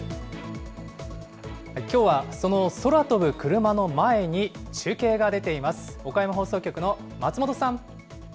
きょうはその空飛ぶクルマの前に中継が出ています。